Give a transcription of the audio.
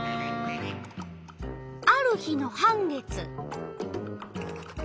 ある日の半月。